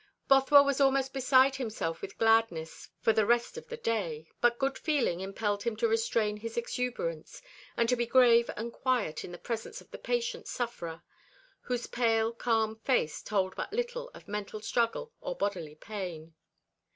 Bothwell was almost beside himself with gladness for the rest of the day; but good feeling impelled him to restrain his exuberance, and to be grave and quiet in the presence of the patient sufferer, whose pale calm face told but little of mental struggle or bodily pain.